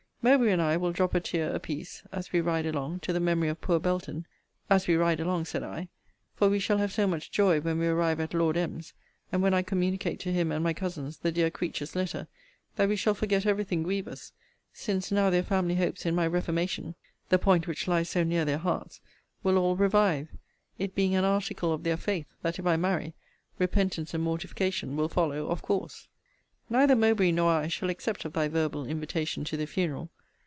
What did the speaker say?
Mowbray and I will drop a tear a piece, as we ride along, to the memory of poor Belton: as we ride along, said I: for we shall have so much joy when we arrive at Lord M.'s, and when I communicate to him and my cousins the dear creature's letter, that we shall forget every thing grievous: since now their family hopes in my reformation (the point which lies so near their hearts) will all revive; it being an article of their faith, that if I marry, repentance and mortification will follow of course. Neither Mowbray nor I shall accept of thy verbal invitation to the funeral.